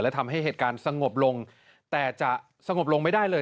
และทำให้เหตุการณ์สงบลงแต่จะสงบลงไม่ได้เลย